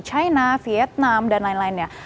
china vietnam dan lain lainnya